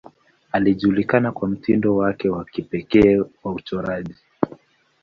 Alijulikana kwa mtindo wake wa kipekee wa uchoraji.